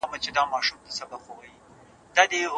سرمایه داري نظام ته ضرورت نسته.